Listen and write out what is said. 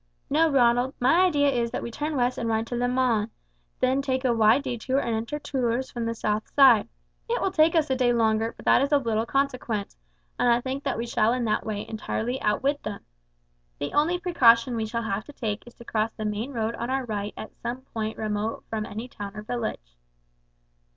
"No, Ronald; my idea is that we turn west and ride to Le Mans, then take a wide detour and enter Tours from the south side. It will take us a day longer, but that is of little consequence, and I think that we shall in that way entirely outwit them. The only precaution we shall have to take is to cross the main road on our right at some point remote from any town or village."